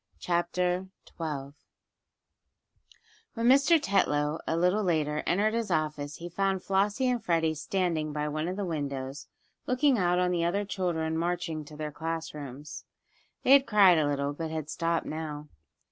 CHAPTER XII THE CHILDREN'S PARTY WHEN Mr. Tetlow, a little later, entered his office he found Flossie and Freddie standing by one of the windows, looking out on the other children marching to their classrooms. They had cried a little, but had stopped now.